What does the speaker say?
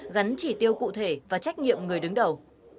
gắn chỉ tiêu cụ thể và trách nhiệm người đứng đầu